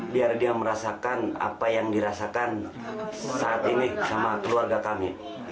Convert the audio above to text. biar dia merasakan apa yang dirasakan saat ini sama keluarga kami